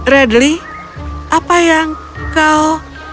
radly apa yang kau